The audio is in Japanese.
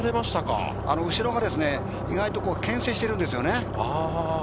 後ろが意外と牽制しているんですよね。